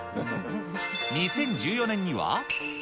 ２０１４年には。